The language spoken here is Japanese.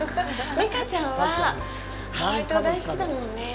美佳ちゃんは、ハワイ島、大好きだもんね？